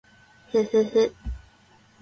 ふふふ